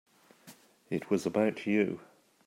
It was about you.